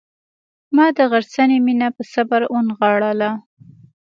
ما د غرڅنۍ مینه په صبر ونغاړله.